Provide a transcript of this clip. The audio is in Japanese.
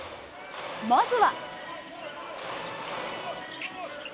まずは。